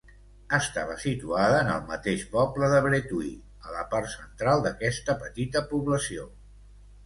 Estava situada en el mateix poble de Bretui, a la part central d'aquesta petita població.